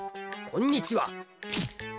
こんにちは。